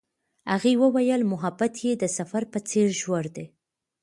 هغې وویل محبت یې د سفر په څېر ژور دی.